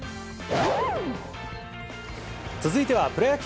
続いてはプロ野球。